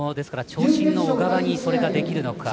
長身の小川にそれができるのか。